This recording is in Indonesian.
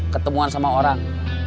ketemuan sama orang